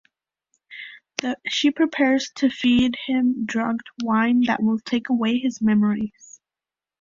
She prepares to feed him drugged wine that will take away his memories.